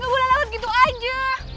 ngga boleh lakukan gitu aja